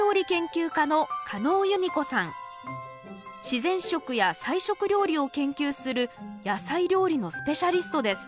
自然食や菜食料理を研究する野菜料理のスペシャリストです。